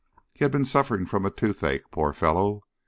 He had been suffering from toothache, poor fellow!